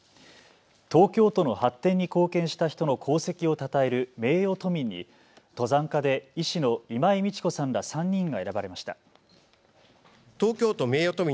東京都の発展に貢献した人の功績をたたえる名誉都民に登山家で医師の今井通子さんら３人が選ばれました。